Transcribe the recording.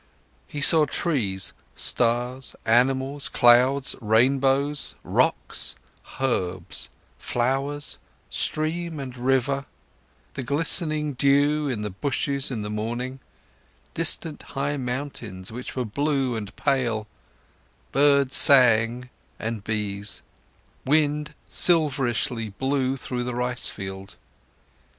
He saw trees, stars, animals, clouds, rainbows, rocks, herbs, flowers, stream and river, the glistening dew in the bushes in the morning, distant high mountains which were blue and pale, birds sang and bees, wind silverishly blew through the rice field.